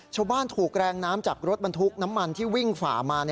ชาวบ้านถูกแรงน้ำจากรถบรรทุกน้ำมันที่วิ่งฝ่ามา